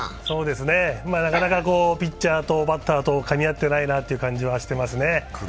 なかなかピッチャーとバッターとかみ合ってないなという感じがしますね。